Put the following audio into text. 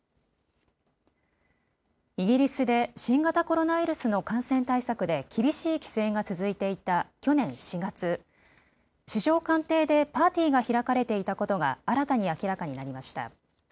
イギリスで新型コロナウイルスの感染対策で厳しい規制が続いていた去年４月、首相官邸でパーティーが開かれていたことが新たに明らかになりました。